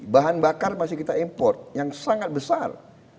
bahan bakar masih kita import yang sangat besar